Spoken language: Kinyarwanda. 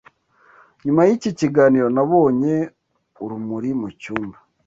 Nyuma y’iki kiganiro nabonye urumuri mu cyumba